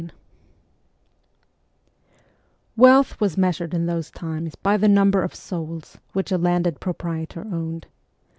VI WEALTH was measured in those times by the number of ' souls ' which a landed proprietor owned.